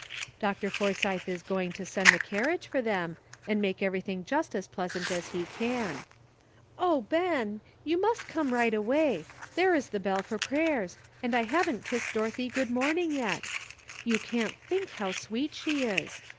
Dr. Forsythe is going to send the carriage for them, and make everything just as pleasant as he can. " O, Ben! you must come right away. There is the bell for prayers, and I haven't kissed Dorothy good morning yet. You can't think how sweet she is.